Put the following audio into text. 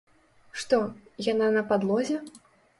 Што, яна на падлозе?